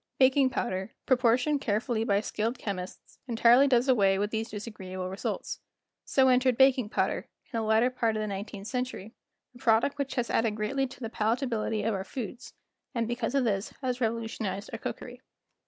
Baking powder, proportioned carefully by skilled chemists, entirely does away with these disagreeable results. So entered baking powder, in the latter part of the nineteenth century, a product which has added greatly to the palatability of our foods, and because of this has revolutionized our cookery.